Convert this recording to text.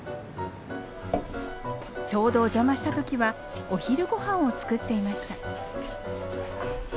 ちょうどお邪魔した時はお昼ごはんを作っていました。